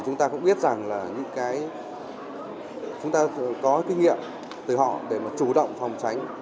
chúng ta cũng biết rằng chúng ta có kinh nghiệm từ họ để chủ động phòng tránh